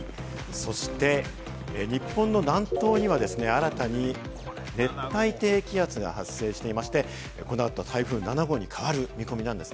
そして、日本の南東には新たに熱帯低気圧が発生していまして、この後、台風７号に変わる見込みです。